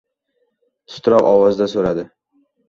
– titroq ovozda soʻradi.